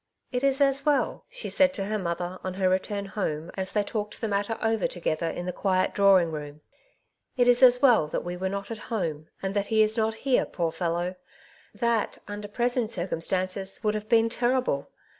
'^ It is as well," she said to her mother, on her re turn home, as they talked the matter over together in the quiet drawing room, — "it is as well that we were not at home, and that he is not here, poor fellow! That, under present circumstances, would have been terrible.